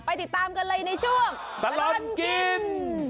ติดตามกันเลยในช่วงตลอดกิน